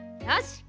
よし。